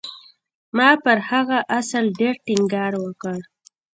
ما پر هغه اصل ډېر ټينګار وکړ.